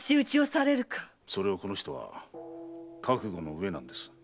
それをこの人は覚悟のうえなんです。